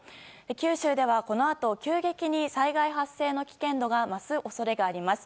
九州では、このあと急激に災害発生の危険度が増す恐れがあります。